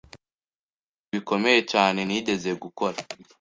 Nibintu bikomeye cyane nigeze gukora.